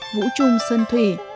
vũ trung sơn thủy